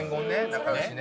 仲良しね。